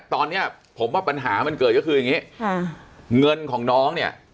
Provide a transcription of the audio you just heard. ตอนนี้ผมว่าปัญหามันเกิดก็คืออย่างนี้ค่ะเงินของน้องเนี่ย